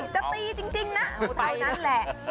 จะตีจริงนะเท่านั้นแหละ